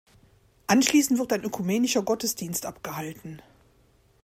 Anschließend wird ein ökumenischer Gottesdienst abgehalten.